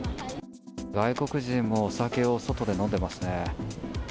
外国人もお酒を外で飲んでますね。